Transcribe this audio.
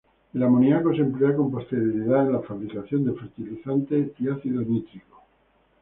El amoníaco se emplea con posterioridad en la fabricación de fertilizantes y ácido nítrico.